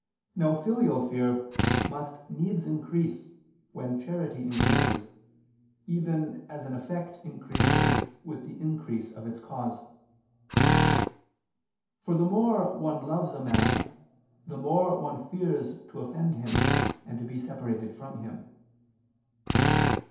Now filial fear must needs increase when charity increases, even as an effect increases with the increase of its cause. For the more one loves a man, the more one fears to offend him and to be separated from him.